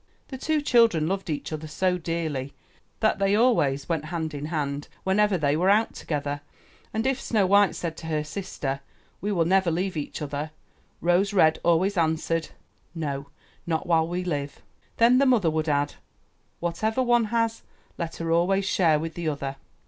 The two children loved each other so dearly that they always went hand in hand when 35 MY BOOK HOUSE ever they were out together, and if Snow white said to her sister, ''We will never leave each other/' Rose red always answered, '*No, not while we live/' Then the mother would add ,' 'Whatever one has , let her always share with the other.